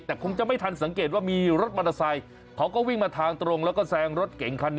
แต่คงจะไม่ทันสังเกตว่ามีรถมอเตอร์ไซค์เขาก็วิ่งมาทางตรงแล้วก็แซงรถเก่งคันนี้